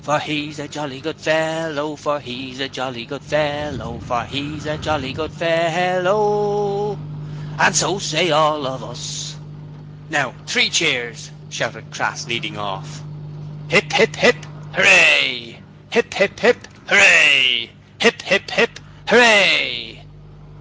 For he's a jolly good fellow, For 'e's a jolly good fellow For 'e's a jolly good fel ell O, And so say all of us. 'Now three cheers!' shouted Crass, leading off. Hip, hip, hip, hooray! Hip, hip, hip, hooray! Hip, hip, hip, hooray!